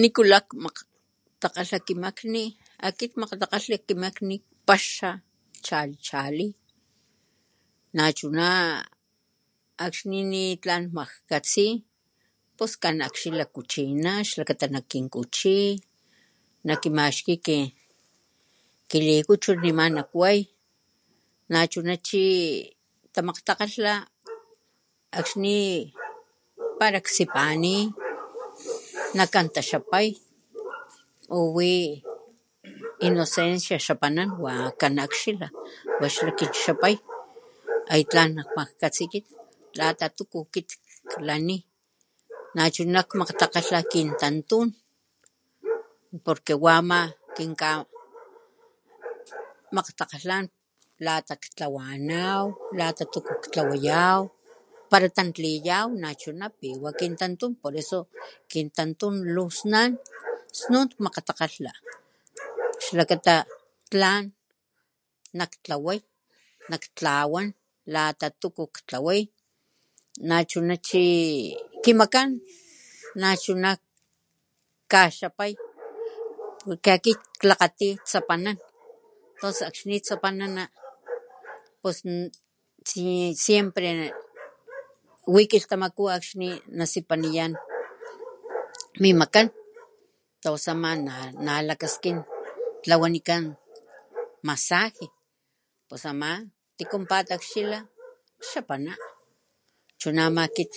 Nikula kmakgtakgalha kimakni akit makgtakgalha kimakni kpaxa chali chali nachu akxni nitlan kmakgalhi katsi pus kan akxila kuchina xlakta nakinkuchi nakimaxki kilikuchun nema kuay nachuna chi ktamakgtakgalha akxni para ksipani nakan taxapay uwi inocencio xapanan wa kan akxila nakinxapan ay tlan chi lata tu akiy klani nachuna kit makgtakgalha kin tantun porque wa ama maski kmakgtakgalha akit lata ktlawan lata kan nak iglesia xatuku tlawayaw par ktantliyaw nachuna piwama kintantun kintantu luksnan snun makgtakgalha xlakata tlan naktlaway nak tlawan lata tuku ktlaway nachunachi kimakan nachuna kaxapay akit klakgatiy tsapanan akxni wix natsapanana siempre wi kilhtamaku akxni nasipaniyan o mimakan nalakaskin tlawaniyaw nasaje xapana chuna ama akit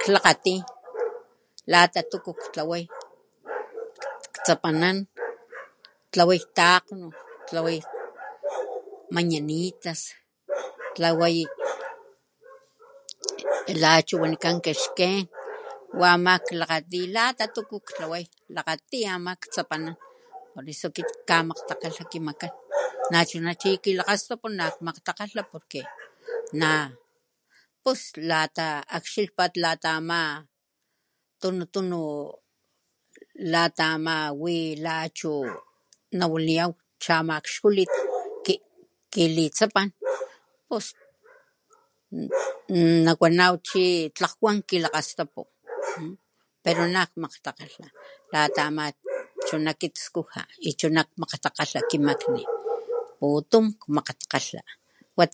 klakgati lata tuku ktlaway tsapanan ktlaway takgnu tlaway mañanitas ktlaway la ama tlawakan kexken la ama klakgati lata tuku ama ktlaway tsapanan por eso akit kkamakgkakgalha kimakan nachuna chi kilakgastapu kmkgtakgalha porque pos akxilpat lata ama tunutunu lata ama wi la achu nawaliyaw chamakxkulin kilitsapan pos nawaw chi kilakgastapu pero nakmakgtakgalha lata ama akit skuja chu akit nakmakgtakgalha kimakni putun kmakgtakgalha watiya.